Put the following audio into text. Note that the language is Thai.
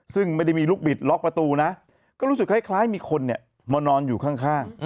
ซึ่งไม่ได้มีลูกบิดล็อกประตูนะก็รู้สึกคล้ายมีคนมานอนอยู่ข้าง